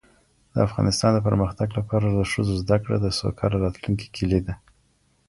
د افغانستان د پرمختګ لپاره د ښځو زدهکړه د سوکاله راتلونکي کیلي ده.